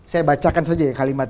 saya bacakan saja ya kalimat